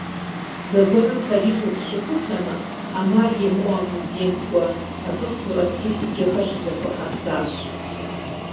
Зэгуэрым Париж укъыщыхутэмэ, Ӏэмал имыӀэу а музейм кӀуэ, абы сурэт телъыджэхэр щызэхуэхьэсащ.